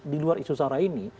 di luar isu sara ini